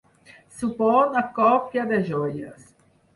Suborn a còpia de joies.